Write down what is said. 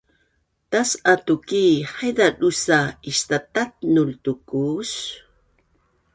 Tas’a tukii haiza dusa istatatnul tu kuus